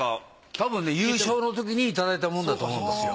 たぶんね優勝のときに頂いたものだと思うんですよ。